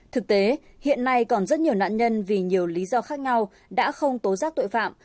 thực tế hiện nay còn rất nhiều nạn nhân vì nhiều lý do khác nhau đã không tố giác tội phạm